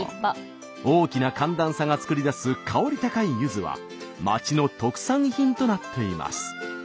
大きな寒暖差が作り出す香り高いゆずは町の特産品となっています。